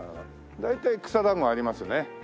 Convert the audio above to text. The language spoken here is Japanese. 大体草だんごありますね。